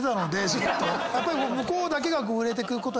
やっぱり。